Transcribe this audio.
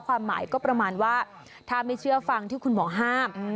ความหมายก็ประมาณว่าถ้าไม่เชื่อฟังที่คุณหมอห้าม